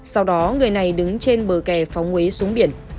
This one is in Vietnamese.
sau đó người này đứng trên bờ kè phóng huế xuống biển